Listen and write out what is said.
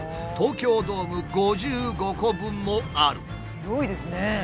広いですね。